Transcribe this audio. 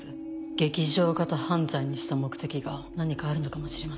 劇場型犯罪にした目的が何かあるのかもしれません。